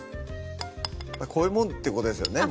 こういうもんってことですよね